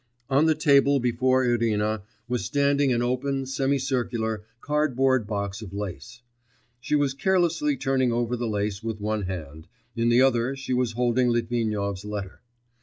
On the table before Irina was standing an open, semi circular, cardboard box of lace: she was carelessly turning over the lace with one hand, in the other she was holding Litvinov's letter.